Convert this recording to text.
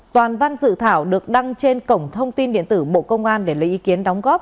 toàn văn dự thảo được đăng trên cổng thông tin điện tử bộ công an để lấy ý kiến đóng góp